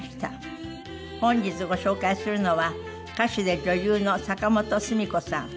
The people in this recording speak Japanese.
本日ご紹介するのは歌手で女優の坂本スミ子さん